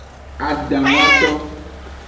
Adahwato.